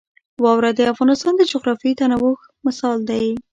واوره د افغانستان د جغرافیوي تنوع مثال دی.